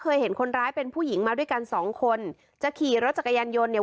เห็นคนร้ายเป็นผู้หญิงมาด้วยกันสองคนจะขี่รถจักรยานยนต์เนี่ย